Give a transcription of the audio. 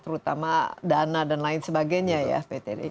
terutama dana dan lain sebagainya ya ptd